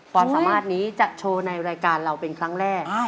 ความสามารถนี้จะโชว์ในรายการเราเป็นครั้งแรก